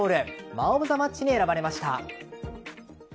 マン・オブ・ザ・マッチに選ばれました。